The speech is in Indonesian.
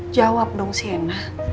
jawab dong sienna